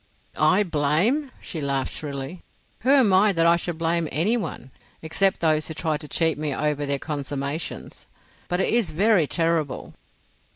"I blame?" she laughed shrilly. "Who am I that I should blame any one—except those who try to cheat me over their consommations. But it is very terrible."